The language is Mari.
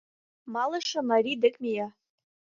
Малыше Мари дек мия...